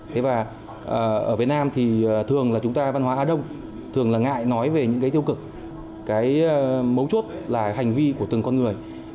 thế và ở việt nam thì thường là chúng ta văn hóa á đông thường là ngại nói về những cái tiêu cực cái mấu chốt là hành vi của từng con người